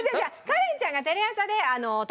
カレンちゃんがテレ朝で特番をね